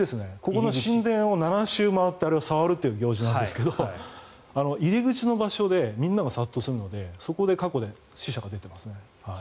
この神殿を７周回ってあれを触るという行事なんですが入り口の場所でみんなが殺到するのでそこで過去、死者が出てます。